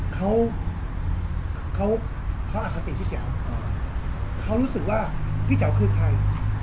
เขาเขาอคติพี่แจ๋วเขารู้สึกว่าพี่แจ๋วคือใคร